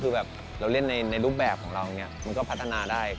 คือแบบเราเล่นในรูปแบบของเราอย่างนี้มันก็พัฒนาได้